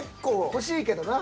欲しいけどな。